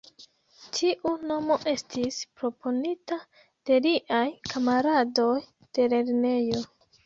Tiu nomo estis proponita de liaj kamaradoj de lernejo.